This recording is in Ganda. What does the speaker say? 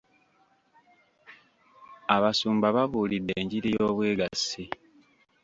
Abasumba babuulidde enjiri y'obwegassi.